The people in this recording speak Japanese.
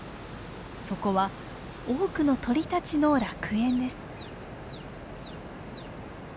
そこは多くの鳥たちの楽園です。